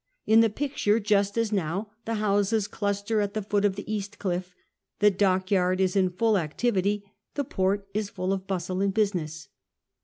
In the picture, just as now, the houses cluster at the foot of the cast cliff, the dockyard is in full activity, the port is full of bustle and business.